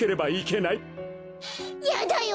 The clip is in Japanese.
やだよ